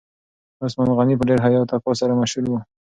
عثمان غني په ډیر حیا او تقوا سره مشهور و.